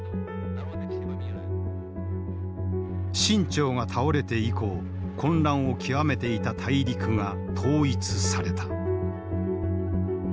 清朝が倒れて以降混乱を極めていた大陸が統一された。